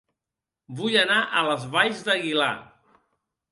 Vull anar a Les Valls d'Aguilar